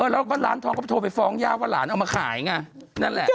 แล้วก็ร้านทองก็โทรไปฟ้องย่าว่าหลานเอามาขายไงนั่นแหละ